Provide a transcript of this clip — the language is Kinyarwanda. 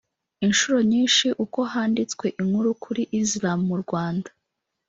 Inshuro nyinshi uko handitswe inkuru kuri Islam mu Rwanda